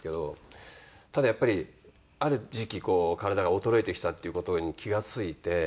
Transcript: ただやっぱりある時期こう体が衰えてきたっていう事に気が付いて。